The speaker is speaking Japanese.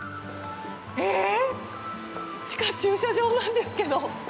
地下駐車場なんですけど。